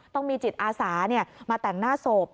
ต้องมีจิตอาสามาแต่งหน้าศพ